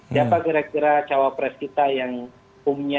siapa kira kira cawapres kita yang punya